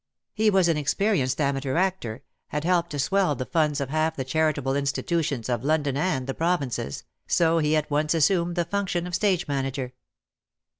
He was an experienced amateur actor, had helped to swell the funds of half the charitable institutions of London and the provinces ; so he at once assumed the function of stage manager.